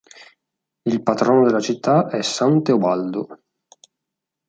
Il patrono della città è San Teobaldo.